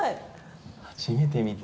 初めて見た。